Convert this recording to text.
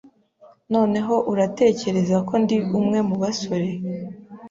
Noneho uratekereza ko ndi umwe mubasore